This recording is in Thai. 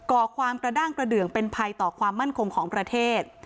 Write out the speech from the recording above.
่อความกระด้างกระเดืองเป็นภัยต่อความมั่นคงของประเทศ